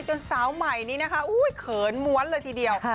สาวใหม่นี้นะคะเขินม้วนเลยทีเดียว